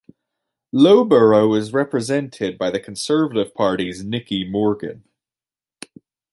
Loughborough is represented by the Conservative Party's Nicky Morgan.